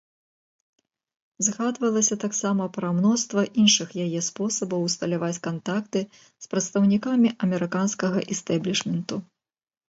Згадвалася таксама пра мноства іншых яе спробаў усталяваць кантакты з прадстаўнікамі амерыканскага істэблішменту.